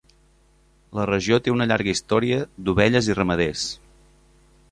La regió té una llarga història d'ovelles i ramaders.